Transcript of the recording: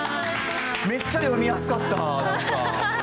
めっちゃ読みやすかった、なんか。